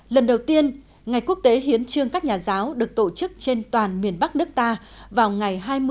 lần đầu tiên ngày quốc tế hiến trương các nhà giáo được tổ chức trên toàn miền bắc nước ta vào ngày hai mươi tháng một mươi một năm một nghìn chín trăm năm mươi tám